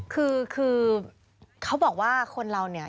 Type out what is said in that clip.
คือคือเขาบอกว่าคนเราเนี่ย